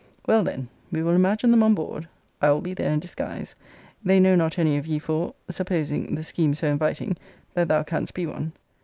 Well, then, we will imagine them on board. I will be there in disguise. They know not any of ye four supposing (the scheme so inviting) that thou canst be one.